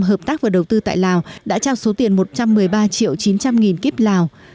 hợp tác và đầu tư tại lào đã trao số tiền một trăm một mươi ba triệu chín trăm linh nghìn kíp lào